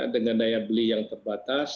dengan daya beli yang terbatas